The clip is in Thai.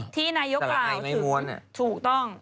ที่นายกราวถูกต้อง